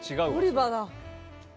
オリバだ。